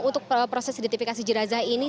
untuk proses identifikasi jenazah ini